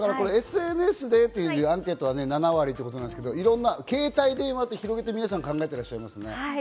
ＳＮＳでというアンケートは７割ということですが、携帯電話と広げて皆さん考えていらっしゃいますね。